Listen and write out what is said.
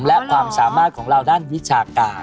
และความสามารถของเราด้านวิชาการ